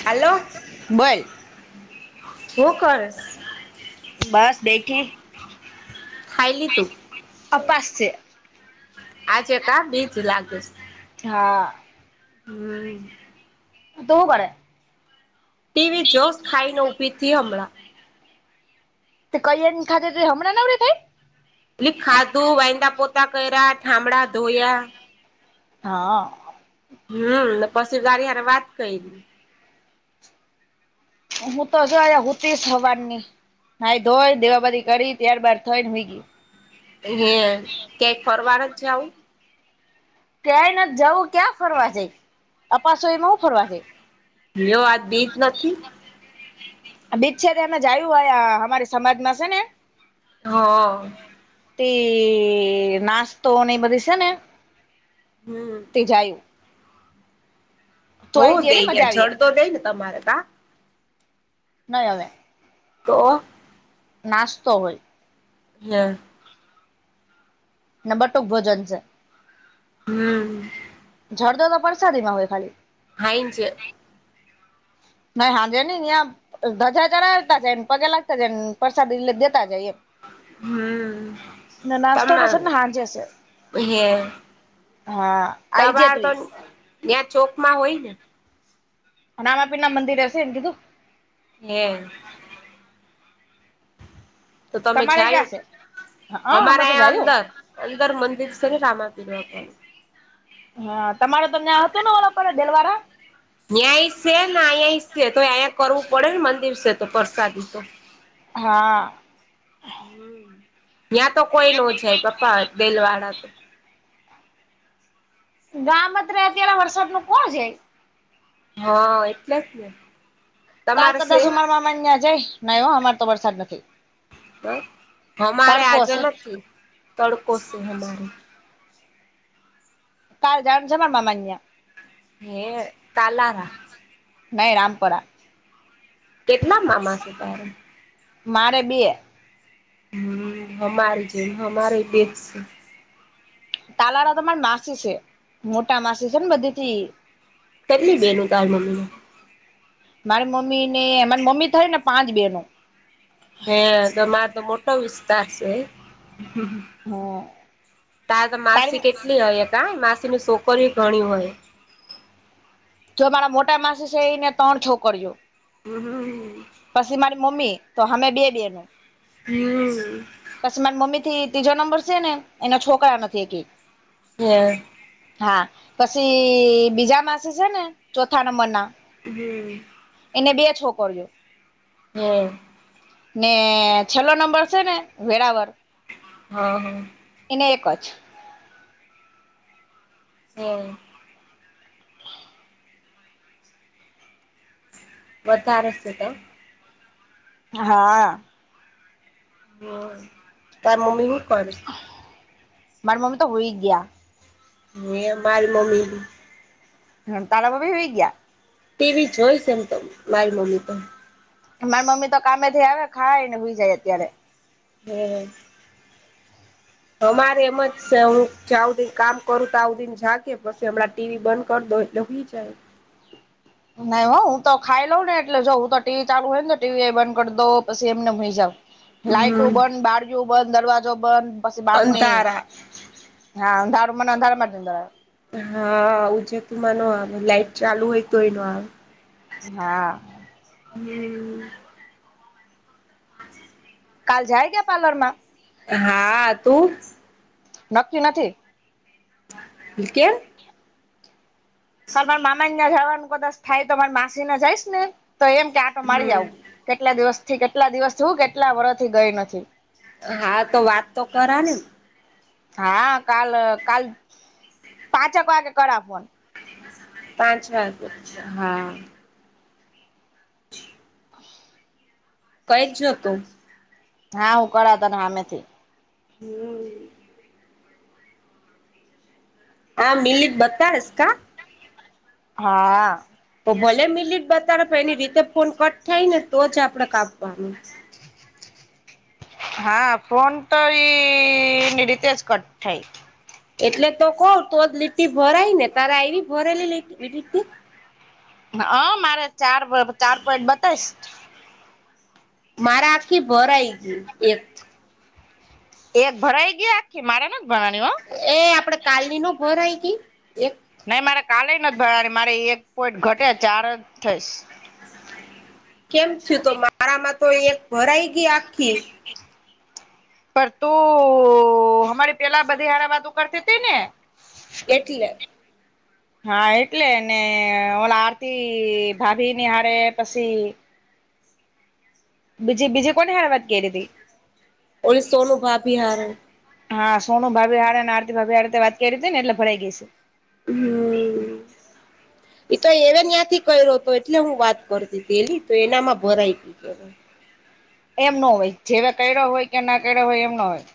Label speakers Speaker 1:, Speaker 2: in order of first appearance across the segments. Speaker 1: [unintelligible] હાલો
Speaker 2: બોલ.
Speaker 1: હું કરસ?
Speaker 2: બસ બેઠી.
Speaker 1: ખાઈ લીધું?
Speaker 2: અપાસ છે.
Speaker 1: આજે કા બીજ લાગુસ?
Speaker 2: હા
Speaker 1: હમમ
Speaker 2: તું હુ ભણે?
Speaker 1: ટીવી જોવશ, ખાઈને ઊભી થી હમણાં.
Speaker 2: તે કૈયન ખાતી તી, તે હમણાં નવરે તેઈ?
Speaker 1: લી ખાધું, વાહીંદા પોતા કર્યા, થામડા ધોયા
Speaker 2: હા
Speaker 1: હમ પશી તારી હારે વાત કરી.
Speaker 2: હું તો જો હુંતી સવારની નાઈ ધોય, દેવા બતી કરી, ત્યારબાર થઈ ને હુઇ ગય.
Speaker 1: હે ક્યાંય ફરવા ન જ જાવું?
Speaker 2: ક્યાંય નથી જવું, ક્યાં ફરવા જાય? અપાસો એમ
Speaker 1: લ્યો આજ બીજ નથી.?
Speaker 2: બીજ છે તે અમે જાયું હોય અમારી સમાજમાં છે ને
Speaker 1: હ
Speaker 2: તે નાસ્તો એ બધીશે ને?
Speaker 1: હમ
Speaker 2: તે જાયું તો
Speaker 1: હ
Speaker 2: આઈ જયેલી
Speaker 1: દઈ
Speaker 2: મજા
Speaker 1: ગયા
Speaker 2: આવી
Speaker 1: જડ તો દઈ ને તમારે કા?
Speaker 2: નય આવે.
Speaker 1: તો
Speaker 2: નાશતો હોય.
Speaker 1: હમ
Speaker 2: બટુંક ભોજન છે.
Speaker 1: હમ્મ
Speaker 2: જરદો તો પરસાદી માં હોય ખાલી-
Speaker 1: હા, એમ છે.
Speaker 2: નહી હાજે નઈ આમ ધજા ચઢાવતા જાય ને પગે લાગતા જાય ને પરસાદી દેતા જાય એમ,
Speaker 1: હમ્મ
Speaker 2: ના નાસ્તોતો શે ના હાજે શે.
Speaker 1: હે
Speaker 2: હા આઈ જે
Speaker 1: તમાર તો
Speaker 2: તુંય.
Speaker 1: ત્યાં ચોક માં હોય ને-
Speaker 2: રામાપી ના મંદિર હશે એમ કીધું-
Speaker 1: હમ- તો તમે છે
Speaker 2: તમારે ક્યાં હા અમે તો
Speaker 1: અમારા અં
Speaker 2: જાયું
Speaker 1: અંદર- અંદર મંદિર છે ને રામા આપ દવાનું-
Speaker 2: હા તમારે તનેયાં હતું ઓલો પડે દેલવારા-
Speaker 1: ન્યાંય છે ને અહીં છે તો અહીંયા કરવું પડે ને મંદિર છે તો પરસાદી તો-
Speaker 2: હા
Speaker 1: ત્યાં તો કોઈ ન જાય પપ્પા દેલ વાળ તો-
Speaker 2: ગામ અત્ર અત્યારે વરસાદ નું કોણ છે.
Speaker 1: હા એટલે જ ને.
Speaker 2: કાલ
Speaker 1: તમારે છે
Speaker 2: કદાચ અમારવામા્યા જાય નયો અમાર તો વરસાદ નથી?
Speaker 1: [unintelligible] અમારે
Speaker 2: તડકો
Speaker 1: આજે
Speaker 2: હશે
Speaker 1: નથી તડકો સે અમારે-
Speaker 2: કાલ જાણ જમા મામાનિયા-
Speaker 1: હે, તાલાળા-
Speaker 2: નાહી, રામપરા-
Speaker 1: કેટલા મામા છે, તારે?
Speaker 2: મારે બે-
Speaker 1: હમ્મ અમારી જેમ અમારે બે જ છે,
Speaker 2: તાલાળા તો મારા માસી છે મોટામાંથી છે, ને બધેથી ઈ-
Speaker 1: કેટલી બેનો તારા મમ્મીને-
Speaker 2: મારી મમ્મી ને મારી મમ્મી થાય ને પાંચ બેનો-
Speaker 1: હે તો મારો તો મોટો વિસ્તાર છે,
Speaker 2: હમ
Speaker 1: તારે તો
Speaker 2: તારી
Speaker 1: માસી કેટલી હોય કા માસી ની છોકરીયુ ઘણી હોય,
Speaker 2: જો મારા મોટા માસી સે એઈને ત્રણ છોકરીયુ
Speaker 1: હમ્મ હ [unintelligible]
Speaker 2: પછી મારી મમ્મી તો અમે બે બેનું-
Speaker 1: હમ્મ
Speaker 2: પછી મારા મમ્મી થી ત્રીજો નંબર છે ને, એના છોકરા નથી એક કઈ-
Speaker 1: [unintelligible]
Speaker 2: હા, પછી બીજા માસે છે ને ચોથા નંબર ના-
Speaker 1: હમ્મ
Speaker 2: એને બે છોકરીઓ-
Speaker 1: [unintelligible]
Speaker 2: ને છેલ્લો નંબર છે ને, વેરાવર
Speaker 1: હ હ
Speaker 2: એને એકજ.
Speaker 1: [unintelligible] વધારે સીધા-
Speaker 2: હા
Speaker 1: તારા મમ્મી હું કરે-
Speaker 2: મારા મમ્મી તો સુઈ ગયા,
Speaker 1: મેં મારી મમ્મીનું
Speaker 2: હ તારા મમ્મી હુઈ ગયા,
Speaker 1: ટીવી જોઈ સ એમ તો, મારી મમ્મી તો.
Speaker 2: મારી મમ્મી તો કામેથી આવે, ખાય ને હુઈ જાય અત્યારે.
Speaker 1: હમ અમારે મત છે હ- જયા હુદી કામ કરું ત્યાં સુધી જાગે પછી હમણાં ટીવી બંધ કરી દો એટલે હુઈ જાય,
Speaker 2: નાહી હો હું તો ખાઈ લઉં ને એટલે જઉં ટીવી ચાલુ હોય ને ટીવી એ બંધ કરી દો પછી એમનેમ સુઈ જાવ, લાઈટો
Speaker 1: હમ
Speaker 2: બંધ બાળિયું બંધ દરવાજો બંધ પછી બાર ની-
Speaker 1: અંધારા
Speaker 2: હા અંધારું મને અંધારા માંજ નીંદર આવે-
Speaker 1: હા, આવુંજતુંમાં નો આવે લાઈટ ચાલુ હોય તોય નો આવે,
Speaker 2: હા,
Speaker 1: [unintelligible]
Speaker 2: કાલ જાય કે પાર્લર માં?
Speaker 1: હા, તું?
Speaker 2: નક્કી નથી
Speaker 1: [unintelligible] કેમ?
Speaker 2: કાલ મારા મામાના ન્યા જવાનું કદાચ થાય, તો મારી માસીને જઈશ ને, તો એમ કે આટો મારી
Speaker 1: હમ્મ.
Speaker 2: આવું. કેટલા દિવસથી, કેટલા દિવસથી, હુ કેટલા વરહથી ગઈ નથી,
Speaker 1: હા, તો વાત તો કરા ને?
Speaker 2: હા, કાલ, કાલ પાંચક વાગે કરા ફોન.
Speaker 1: પાંચ વાગતા, હા. કઈ જ જોતું?
Speaker 2: હા, હું કળા તને હામેથી.
Speaker 1: હમ આમ ડીલીટ બતાડસ કા?
Speaker 2: હા
Speaker 1: તો ભલે મિલિટ બતાડે પણ, એની રીતે ફોન કટ થાય ને, તો જ આપડે કાપવાનું [unintelligible]
Speaker 2: હા, ફોન તો ઈ, એની રીતે જ કટ થાઈ.
Speaker 1: એટલે તો કવ, તો જ લીટટી ભરાય ને, તારે આયવી ભરેલી લીટ, લીટી?
Speaker 2: હ મારે ચાર, ચાર પોઈન્ટ બતાવેશ.
Speaker 1: મારા આખી ભરાઈ ગ્યુ, એક.
Speaker 2: એક ભરાઈ ગયા આખી? મારે નથ ભરાણી હો!
Speaker 1: એ, આપડે કાલની નો ભરાઈ ગઈ? એક.
Speaker 2: નહી, મારે કાલે નથી ભરાણી, મારે એક પોઈન્ટ ઘટે, ચાર જ થઈ સ.
Speaker 1: કેમ થયું, તો મારામાં તો એક ભરાઈ ગઈ આખી.
Speaker 2: પર તું અમારી પેલા બધી હારે વાતું કરતીતી ને?
Speaker 1: એટલે
Speaker 2: હા, એટલે ને ઓલા આરતી ભાભીની હારે, પસી બીજી, બીજી કોની હાર વાત? કરી હતી
Speaker 1: ઓલી, સોનુ ભાભી હારે,
Speaker 2: હા, સોનું ભાભી હાડે ને, આરતી ભાભી હારે વાત કયરીતી ને એટલે ભરાઈ ગઈ હસે.
Speaker 1: હમ ઈ તો એને ન્યાંથી કયરોતો, એટલે હું વાત કરતીતી એલી, તો એનામાં ભરાઈ. [unintelligible]
Speaker 2: એમ ન હોય. જેવા કર્યો હોય કે ના કર્યો હોય એમ ના હોય.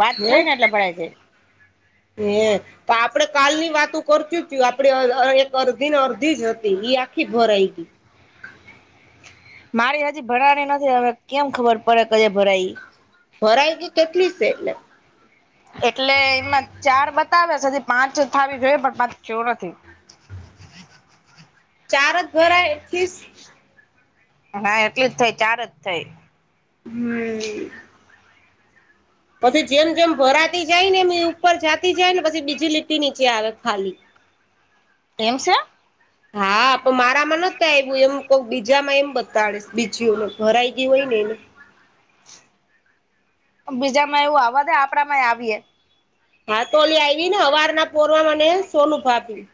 Speaker 2: વાત થઈ ને એટલે ભડાઈ જાય.
Speaker 1: હેં તો આપડે કાલની વાતું કરતીયુંતયું, આપડે એ એક અરધી ને અરધી જ હતી, એ આખી ભરાઈ ગ
Speaker 2: મારી હજી ભરાણી નથી, હવે કેમ ખબર પડે કંઈયે ભરાય ઈ.
Speaker 1: ભરાય ગી કેટલી સે એટલે?
Speaker 2: એટલે એમાં ચાર બતાવે સ, પાંચ થાવી જોઈએ પણ પાચ થયો નથી.
Speaker 1: ચાર જ ભરાય એક તીસ
Speaker 2: હા, એટલી જ થઈ, ચાર જ થઈ.
Speaker 1: હમ પછી જેમ જેમ ભરાતી જાય ને, એમ ઉપર જતી જાય ને પછી બીજી લીટી નીચે આવે ખાલી. [inaudible]
Speaker 2: કેમ છો
Speaker 1: [inaudible] હા પણ મારામાં નતું આવ્યું એમ કક બીજામાં એમ બતાડીસ બીજી ભરાઈ ગયું હોય ને એનું
Speaker 2: બીજા માં એવું આવા દે આપડા માં આવીએે
Speaker 1: હા તોલી આયવી ને હવાર ના પોરવા મને સોનુ ફાપ્યું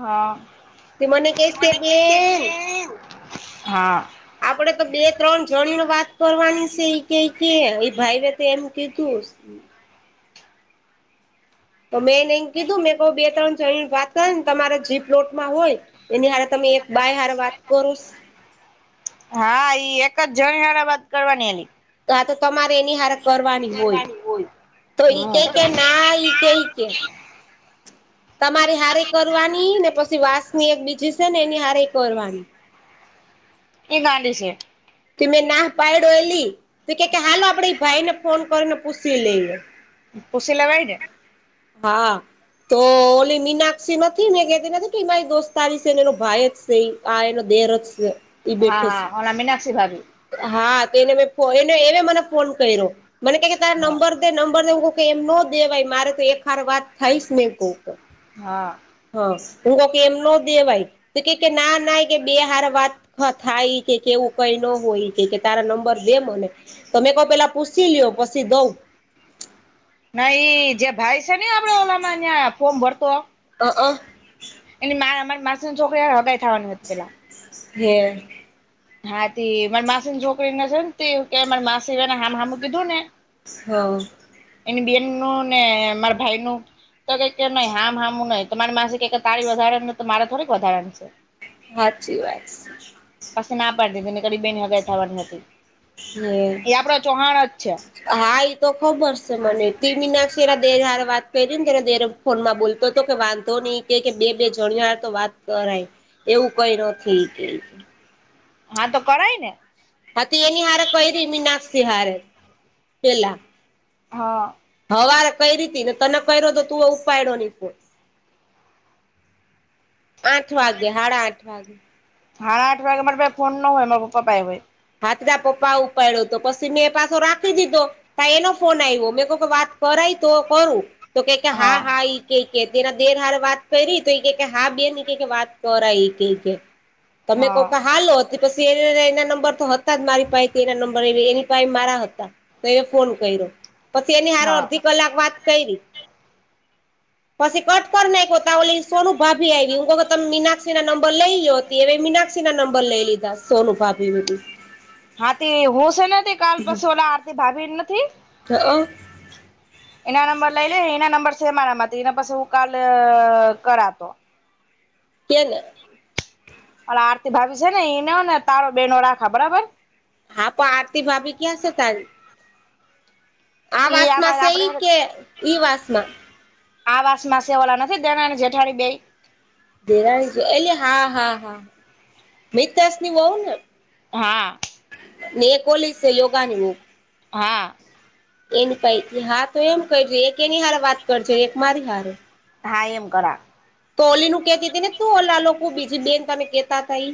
Speaker 2: હા
Speaker 1: કેસ કે
Speaker 2: મને
Speaker 1: બેન
Speaker 2: [unintelligible] હા
Speaker 1: આપડે તો બે ત્રણ જણી વાત કરવાની છે ઈ કેય કે એ ભાઈ તો એમ કીધું તો મેં એને એમ કીધું મેં ક બે ત્રણ જણી વાત કરે ને તમારા જે પ્લોટમાં હોય એની હારે તમે એક બાય હાર વાત કરો
Speaker 2: હા ઈ એક જ જણ હારા વાત કરવાની એલી
Speaker 1: તો આ તો તમારે એની હારત કરવાની હોય તો ઈ
Speaker 2: હમ
Speaker 1: કેય કે ના ઈ કેય કે તમારે હારે કરવાની ને પછી વાસની એક બીજી છે ને એની હારે કરવાની
Speaker 2: એ ગાંડી છે
Speaker 1: કે મેં ના પાડેલી તો કેય કે હાલો આપડી ભાઈ ને ફોન કરીને પૂશી લઈએ
Speaker 2: પૂશી લેવાય ને
Speaker 1: હા તો ઓલી મીનાક્ષી નથી મેં કેતી નથી કે મારી દોસ્તારી છે એનો એ ભાઈ જ છે આ એનો દે ર છે ઈ
Speaker 2: હા
Speaker 1: બેઠે
Speaker 2: હા અને મીનાક્ષી ભાભી
Speaker 1: હા તો એને મે ફો એ એને મેં ફોન કર્યો મને કેય કે તારા
Speaker 2: હા
Speaker 1: નંબર ત નંબરું ક કે એમ ન દેવાય મારે તો એક ખર વાત થઈ ને [inaudible]
Speaker 2: હા
Speaker 1: હા તું તો કે એમનો દેવાઈ કે કે કે ના ના કે બે હાર વાત થાય કે કેવું કઈ ન હોય કેકે તારા નંબર દે મને તો મેં કો પેલા પૂછી લ્યો પછી દઉં
Speaker 2: હા એ જે ભાઈ છે ને આપડે ઓલામાં ન્યાં ફોર્મ ભરતો
Speaker 1: અ અ
Speaker 2: એની મારા મારી માસીની છોકરી હગાઈ થવાની હતી પેલા
Speaker 1: હે
Speaker 2: હા તી મારી માસી ની છોકરીને છે કે અમારી માસી સે ને હામ હામે કીધું ને
Speaker 1: હ
Speaker 2: એની બેન નું ને મારા ભાઈ નું તો કેય કે નહી હામ હામું નઈ તો તમારી માસે કે તારી વધારે તો મારે થોડીક વધારા છે
Speaker 1: સાચી વાત
Speaker 2: પાછી ના પાડી દીધી તેને કડી બેની હગાઈ થવાની
Speaker 1: હમ
Speaker 2: એ આપડો ચૌહાણ જ છે
Speaker 1: હા ઈ તો ખબર છે મને તી મિનાક્ષી દેર હાર વાત કયરી તેના દેર ફોનમાં બોલતો હતો કે વાંધો નહી કે બે બે જણી હા તો વાત કરાય એવું કઈ નથી કે
Speaker 2: હા તો કરાય ને
Speaker 1: પતી એની હારે કયરી મીનાક્ષી હારે પેલા
Speaker 2: હા
Speaker 1: હવારે કઈ રીતી ને તને કર્યો તો તું ઉપાડો ની ફો આઠ વાગે હાડા આઠ વાગે
Speaker 2: હાડા આઠ વાગે મારા પાહે ફોન ન હોય મારા પપ્પા પાહે હોય
Speaker 1: હાથ તારા પપ્પા ઉપાડ્યો તો પછી મેં પાછો રાખી દીધો તા એનો ફોન આવ્યો મેં કવ કે વાત કરાય તો કરું તો કે કે હા હા ઈ કેય કે તેના દેર હાર વાત કયરી તો ઈ કે કે હા બેન ઈ કે કે વાત કરાય ઈ કે તમે
Speaker 2: હા
Speaker 1: કોકા હાલો હતી પછી એ એના નંબર તો હતા જ મારી પાઈ એના નંબર એની પાઈ મારા હતા તો એ ફોન કર્યો પછી એની હારે
Speaker 2: હા
Speaker 1: અડધી કલાક વાત કયરી પછી કટ કર નાખયો તા ઓલી સોનું ભાભી આયવી હું ક તમે મીનાક્ષી ના નંબર લઈ ગયો [unintelligible] મીનાક્ષી ના નંબર લઈ લીધા સોનુ ભાભી [unintelligible]
Speaker 2: હા તે હોશે તે કાલ બસોલા આરતી ભાભી નથી
Speaker 1: [inaudible]
Speaker 2: એના નંબર લઈ લે એના નંબર છે, મારામાં એના પાસે હું કાલ કરાતો
Speaker 1: તેેને
Speaker 2: અલા આરતી ભાભી છે, ને ઈનો ને તારો બેનો રાખા બરાબર
Speaker 1: હા પ આરતી ભાભી ક્યાં છે, તારી આ
Speaker 2: ઈ
Speaker 1: વાસમાં
Speaker 2: આમાં
Speaker 1: છે, ઈ
Speaker 2: આપડે
Speaker 1: કે ઈ વાસમાં
Speaker 2: આવાસમાં સે ઓલા નથી દરાણી જેઠાણી બેય
Speaker 1: દેરાની છે, એલી હા હા હા મિતેષની વોવ ને?
Speaker 2: હા.
Speaker 1: ને એ કોલેજ [unintelligible]
Speaker 2: હા.
Speaker 1: એની પાહેથી હા એમ કરજે એક એની હારે વાત કરજો એક મારી હારે
Speaker 2: હાય એમ કરા
Speaker 1: તો ઓલી નું કેતી તી ને તું ઓલા લોકો બીજી બેન તમે કેતાતા ઈ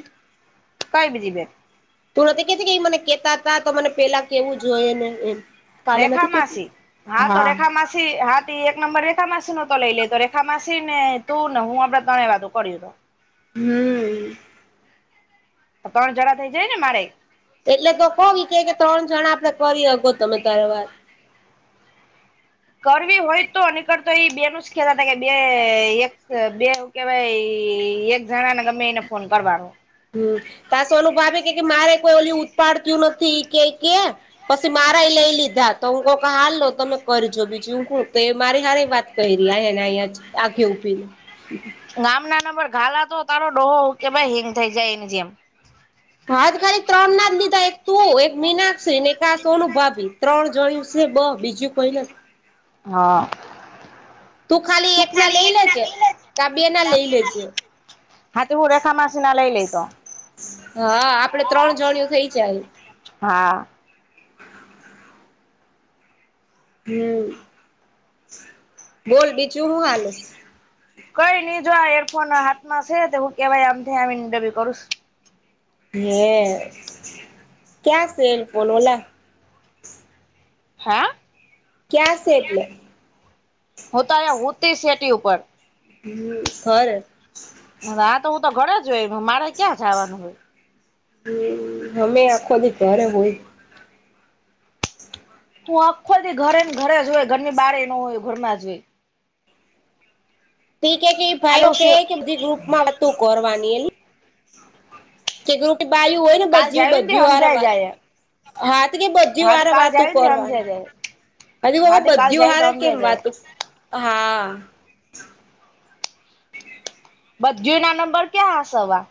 Speaker 2: [unintelligible]
Speaker 1: તું નથી કેતી કે મને કેતા તા તા તો મને પેલા કેવું જોઈએ ને એમ કાલે
Speaker 2: રેખા
Speaker 1: નથી કેતી
Speaker 2: માસી હા તો રેખા મા સી હાતી એક નંબર રેખા માસી નો તો લઈ લેતો રેખા માસી ને તું ને હું આપડે ત્રણે વાતુ કરીશુ
Speaker 1: હમ.
Speaker 2: ત્રણ જણા થઈ જાય ને મારે
Speaker 1: એટલે તો કોવ વિ કે કે ત્રણ જણા આપડે કરી હકો તમે ત્યારે વા
Speaker 2: કરવી હોય તો નીકળતો એ બે નું જ કે તાતા કે બે એક બે ભાઈ એક જણા ને ગમે એને ફોન કરવાનો
Speaker 1: હમ તા સોનુ ભાભી કે કે મારે કોઈ ઓલયુ ઉત્પાડતું નથી કેય કે પછી મારા એ લઈ લીધા તો હું કક હાર લો તમે કરજો બીજુ હુ તો મારી હારે વાત [unintelligible]
Speaker 2: ગામ ના નંબર ગાલા તો તારો ડોહો કે ભાઈ હિંગ થઈ જાય એને જેમ
Speaker 1: હાજ ખાલી ત્રણ ના જ દીધા એક તું એક મીનાક્ષી ને આ સોનું ભાભી ત્રણ જોયું છે, બ બીજું કઈ ન
Speaker 2: હા.
Speaker 1: તું ખાલી એક ના લઈ લેજે કા બે ના લઈ લેજે
Speaker 2: તું રેખા માસી ના લય
Speaker 1: હા આપડે ત્રણ જયણું થઇ જાય
Speaker 2: હા.
Speaker 1: હમ બોલ બીજું હું હાલે
Speaker 2: કઈ ની જો આ એરફોન હાથમાં છે, તો હું કેવાય આમ થી આવીન ડબી કરુંશ
Speaker 1: હે ક્યા સેલ પોલોલા
Speaker 2: હા.
Speaker 1: ક્યા સે એટલે
Speaker 2: હોતા અયા હોતી સેટી ઉપર
Speaker 1: હમ સર
Speaker 2: હવે આતો હું તો ઘરે જ હોય મારે ક્યાં જવાનું હોય
Speaker 1: હમ અમે આખો દી ધરે હોય
Speaker 2: હું આખો દી ઘરેને ઘરે જ હોય ઘરની બહાર એ ન હોય ઘરમાં જોય
Speaker 1: બી કે કે ભાઈ
Speaker 2: ખાલી
Speaker 1: ઓ કે
Speaker 2: હું
Speaker 1: કે બધી ગ્રુપમાં હતું કરવાની એલી જે ગુપ બાાયું હોય ને
Speaker 2: કાલ
Speaker 1: બધુ
Speaker 2: જાયું ને તે
Speaker 1: બધી હારે
Speaker 2: હમજાય
Speaker 1: વાત
Speaker 2: જાય
Speaker 1: હા તો કે બધી
Speaker 2: હા તે
Speaker 1: હારે
Speaker 2: કાલ
Speaker 1: વાતો
Speaker 2: જાયું ને તે
Speaker 1: કરવાનુ
Speaker 2: હમજાય જાય
Speaker 1: અલી ઓ
Speaker 2: હા તે કાલ
Speaker 1: બધી
Speaker 2: જાયું
Speaker 1: હારે
Speaker 2: તો
Speaker 1: કેમ
Speaker 2: હમજાય જાય
Speaker 1: વાતું હા
Speaker 2: બધીય ના નંબર ક્યાં હસાવા